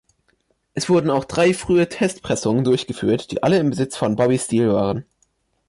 Es wurden auch drei frühe Testpressungen durchgeführt, die alle im Besitz von Bobby Steele waren.